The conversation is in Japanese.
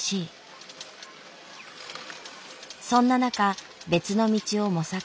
そんな中別の道を模索。